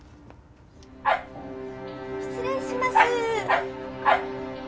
失礼します。